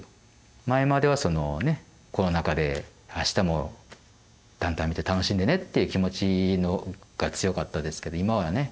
前まではそのねコロナ禍で明日もタンタン見て楽しんでねって気持ちが強かったですけど今はね